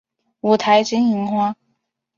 五台金银花